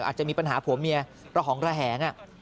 อาจจะมีปัญหาผัวเมียระหองระแหง